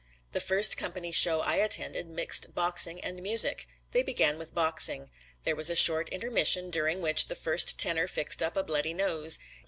The first company show I attended mixed boxing and music. They began with boxing. There was a short intermission during which the first tenor fixed up a bloody nose.